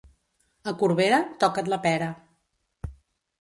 A Corbera, toca't la pera.